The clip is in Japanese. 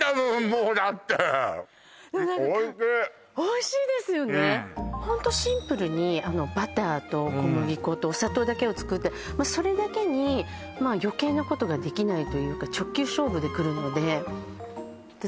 うんホントシンプルにバターと小麦粉とお砂糖だけを使ってもうそれだけに余計なことができないというか直球勝負でくるので私